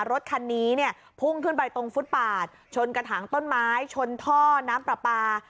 รถคันนี้เนี่ยพุ่งขึ้นไปตรงฟุตปาดชนกระถางต้นไม้ชนท่อน้ำปลาปลา